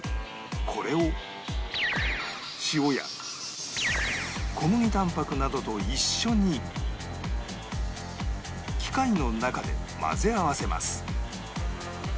これを塩や小麦たんぱくなどと一緒に機械の中で混ぜ合わせます